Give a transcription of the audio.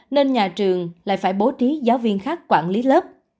nên nhà trường lại phải bố trí giáo viên khác quản lý lớp